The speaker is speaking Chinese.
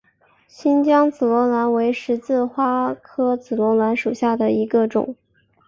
新疆紫罗兰为十字花科紫罗兰属下的一个种。